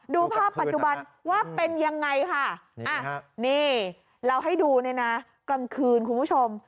ดูภาพปัจจุบันว่าเป็นยังไงค่ะนี่เราให้ดูเนี่ยนะกลางคืนคุณผู้ชม